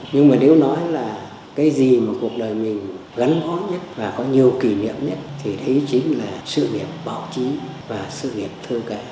nhưng mà nếu nói là cái gì mà cuộc đời mình gắn bó nhất và có nhiều kỷ niệm nhất thì đấy chính là sự nghiệp báo chí và sự nghiệp thơ cải